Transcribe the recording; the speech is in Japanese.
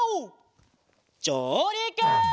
じょうりく！